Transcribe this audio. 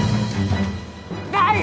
ない！